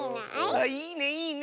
あっいいねいいね。